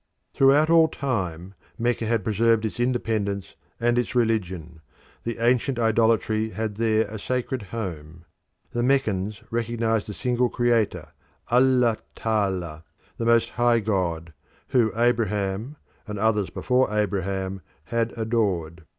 Throughout all time Mecca had preserved its independence and its religion; the ancient idolatry had there a sacred home. The Meccans recognised a single creator, Allah Taala, the Most High God, who Abraham, and others before Abraham, had adored.